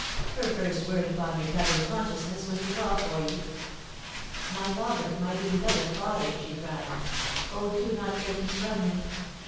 Her first word upon recovering consciousness was to call for you. 'My father! my beloved father!' she cried, 'oh, do not take me from him!'